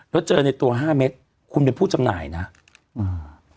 แล้วเจอในตัวห้าเม็ดคุณเป็นผู้จำหน่ายนะอืม